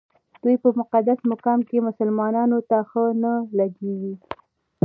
دوی په مقدس مقام کې مسلمانانو ته ښه نه لګېږي.